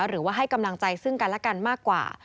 หรือว่าให้กำลังใจซึ่งกันและกันมากกว่า